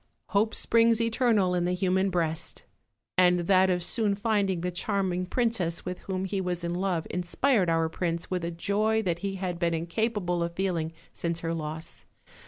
213 "Hope springs eternal in the human breast;" and that of soon finding the charming princess Avith whom he was in love inspired *&ur prince with a joy that he had been incapable of feeling since her loss.